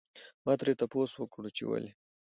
ما ترې تپوس وکړو چې ولې؟